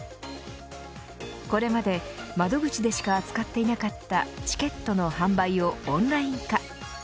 これまで窓口でしか扱っていなかったチケットの販売をオンライン化。